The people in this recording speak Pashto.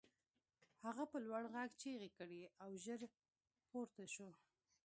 هغه په لوړ غږ چیغې کړې او ژر پورته شو